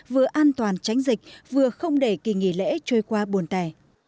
vừa an toàn tránh dịch vừa không để kỳ nghỉ lễ trôi qua buồn tẻ